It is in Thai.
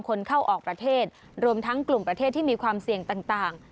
คนเข้าออกประเทศรวมทั้งกลุ่มประเทศที่มีความเสี่ยงต่าง